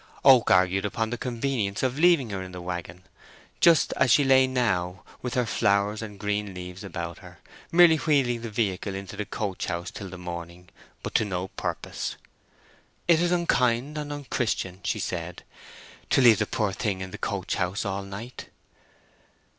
Oak argued upon the convenience of leaving her in the waggon, just as she lay now, with her flowers and green leaves about her, merely wheeling the vehicle into the coach house till the morning, but to no purpose. "It is unkind and unchristian," she said, "to leave the poor thing in a coach house all night."